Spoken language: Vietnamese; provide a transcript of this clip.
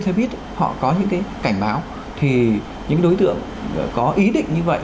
thế biết họ có những cái cảnh báo thì những đối tượng có ý định như vậy